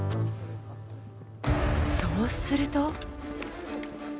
そうすると。